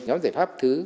nhóm giải pháp thứ sáu